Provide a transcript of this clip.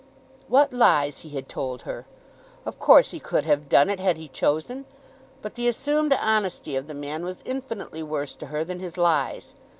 What lies he had told her! Of course he could have done it had he chosen. But the assumed honesty of the man was infinitely worse to her than his lies.